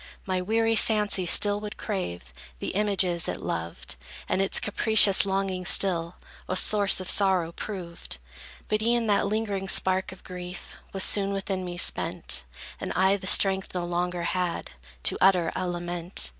My weary fancy still would crave The images it loved, And its capricious longings still A source of sorrow proved. But e'en that lingering spark of grief Was soon within me spent, And I the strength no longer had To utter a lament.